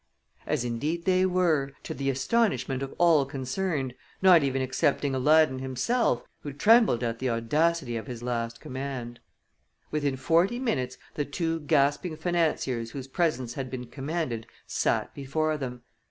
As indeed they were, to the astonishment of all concerned, not even excepting Aladdin himself, who trembled at the audacity of his last command. Within forty minutes the two gasping financiers whose presence had been commanded sat before them.